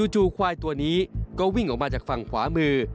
จู่ควายตัวนี้ก็วิ่งออกมาจากฝั่งขวามือ